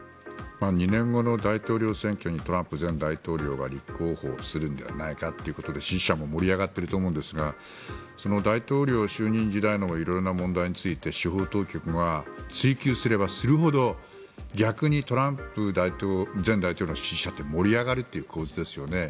２年後の大統領選挙にトランプ前大統領が立候補するのではないかということで支持者も盛り上がっていると思うんですが大統領就任時代の色々な問題について司法当局は追及すればするほど逆にトランプ前大統領の支持者って盛り上がるという構図ですよね。